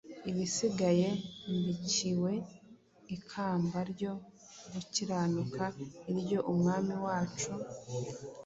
Ibisigaye mbikiwe ikamba ryo gukiranuka, iryo Umwami wacu,